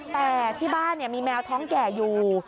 แต่ที่บ้านมีแมวท้องแก่อยู่